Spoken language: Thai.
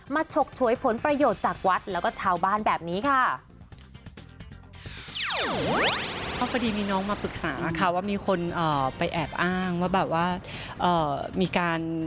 ฉกฉวยผลประโยชน์จากวัดแล้วก็ชาวบ้านแบบนี้ค่ะ